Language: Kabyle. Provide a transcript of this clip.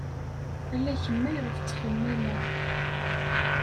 Ala kemm ayɣef ttxemmimeɣ.